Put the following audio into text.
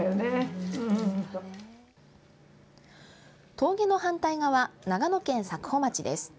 峠の反対側長野県佐久穂町です。